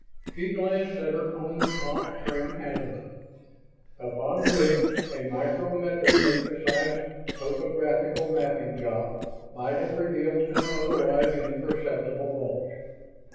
She glanced at her own taut, trim abdomen; upon which a micrometrically precise topographical mapping job might have revealed an otherwise imperceptible bulge.